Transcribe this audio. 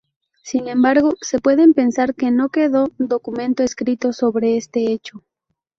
Sin embargo, se puede pensar que no quedó documento escrito sobre este hecho.